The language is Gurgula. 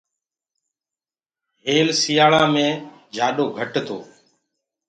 هيل سٚيآݪيآ مي سي گھٽ تو۔